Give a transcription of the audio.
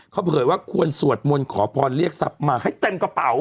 เขาเผยว่าควรสวดมนต์ขอพรเรียกทรัพย์มาให้เต็มกระเป๋า